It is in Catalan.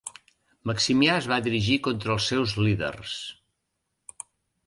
Maximià es va dirigir contra els seus líders.